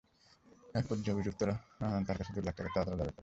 একপর্যায়ে অভিযুক্ত ব্যক্তিরা তাঁর কাছে দুই লাখ টাকা চাঁদা দাবি করেন।